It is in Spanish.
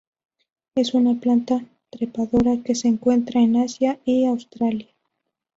Es una planta trepadora que se encuentra en Asia y Australia.